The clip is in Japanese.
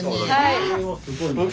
はい。